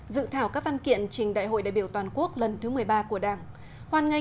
dự thảo các văn kiện trình đại hội đại biểu toàn quốc lần thứ một mươi ba của đảng